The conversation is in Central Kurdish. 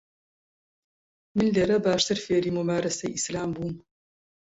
من لێرە باشتر فێری مومارەسەی ئیسلام بووم.